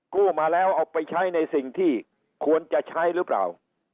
กู้มาแล้วเอาไปใช้ในสิ่งที่ควรจะใช้หรือเปล่า